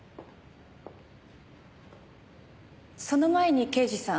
その前に刑事さん。